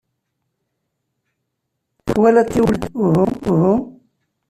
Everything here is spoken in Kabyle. Twalaḍ tiwlafin, uhu?